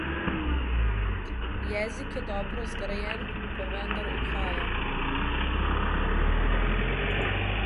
Jezik je dobro zagrajen, pa vendar uhaja.